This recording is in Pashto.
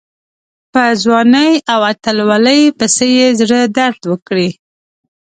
پر ځوانۍ او اتلولۍ پسې یې زړه درد وکړي.